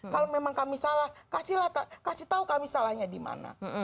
kalau memang kami salah kasih tau kami salahnya dimana